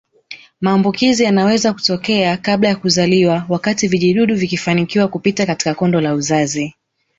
Maambukizi yanaweza kutokea kabla ya kuzaliwa wakati vijidudu vikifanikiwa kupita katika kondo la uzazi